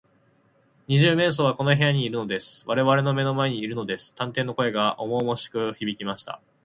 「二十面相はこの部屋にいるのです。われわれの目の前にいるのです」探偵の声がおもおもしくひびきました。